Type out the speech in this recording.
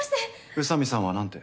宇佐美さんは何て？